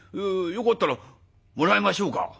よかったらもらいましょうか？」。